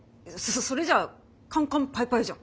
それじゃカンカンパイパイじゃん。